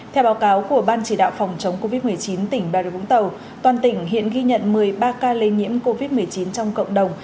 theo báo cáo của ban chỉ đạo phòng chống covid một mươi chín tỉnh bà rịa vũng tàu toàn tỉnh hiện ghi nhận một mươi ba ca lây nhiễm covid một mươi chín trong cộng đồng